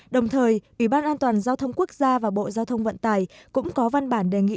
đồng thời ủy ban an toàn giao thông quốc gia và bộ giao thông vận tải cũng có văn bản đề nghị